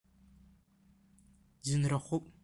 Иӡынрахуп.